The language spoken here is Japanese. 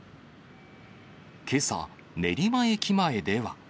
けさ、練馬駅前では。